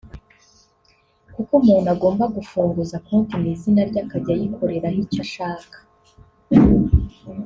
kuko umuntu agomba gufunguza konti mu izina rye akajya ayikoreraho icyo ashaka